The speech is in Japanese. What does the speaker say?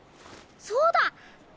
そうだ。